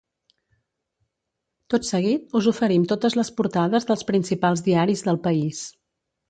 Tot seguit us oferim totes les portades dels principals diaris del país.